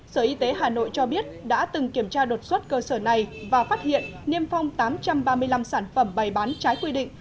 sở y tế hà nội cho biết đã từng kiểm tra đột xuất cơ sở này và phát hiện niêm phong tám trăm ba mươi năm sản phẩm bày bán trái quy định